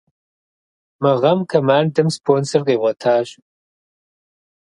Мы гъэм командэм спонсор къигъуэтащ.